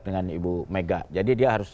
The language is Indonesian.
dengan ibu mega jadi dia harus